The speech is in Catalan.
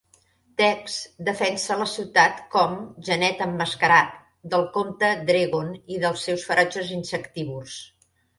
Dex defensa la ciutat com Genet Emmascarat del comte Dregon i els seus ferotges insectívors.